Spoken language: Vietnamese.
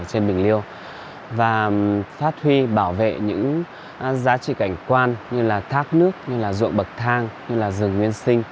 trên bình liêu và phát huy bảo vệ những giá trị cảnh quan như là thác nước như là ruộng bậc thang như là rừng nguyên sinh